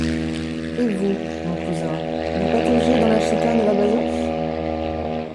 Et vous, mon cousin, vous pataugez dans la chicane et la basoche?